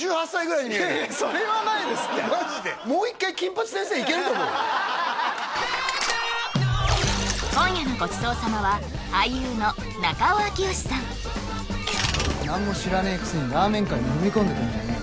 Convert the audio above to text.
いやいやそれはないですってマジで今夜のごちそう様は何も知らねえくせにラーメン界に踏み込んでくんじゃねえ